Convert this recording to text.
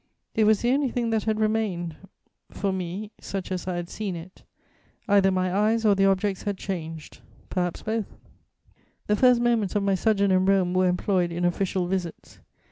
It was the only thing that had remained, for me, such as I had seen it; either my eyes or the objects had changed, perhaps both." [Sidenote: Leo XII.] The first moments of my sojourn in Rome were employed in official visits.